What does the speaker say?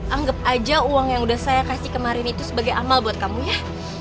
anggap aja uang yang udah saya kasih kemarin itu sebagai amal buat kamu ya